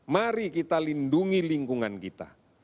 mari kita lindungi lingkungan kita